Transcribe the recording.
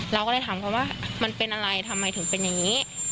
เราก็เลยถามเขาว่ามันเป็นอะไรทำไมถึงเป็นอย่างนี้